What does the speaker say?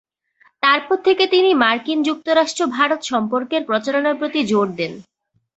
তার পর থেকে তিনি মার্কিন যুক্তরাষ্ট্র-ভারত সম্পর্কের প্রচারণার প্রতি জোর দেন।